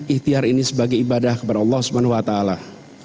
ihtiar ini sebagai ibadah kepada allah